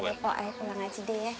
bapak ayo pulang aja deh ya